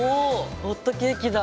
ホットケーキだ。